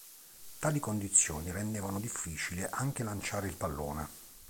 Tali condizioni rendevano difficile anche lanciare il pallone.